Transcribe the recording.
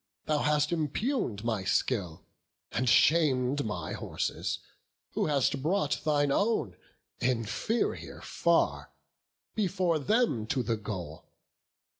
thou hast impugn'd my skill, And sham'd my horses, who hast brought thine own, Inferior far, before them to the goal.